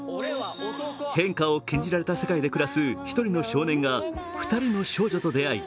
変化を禁じられた世界で暮らす１人の少年が２人の少女と出会い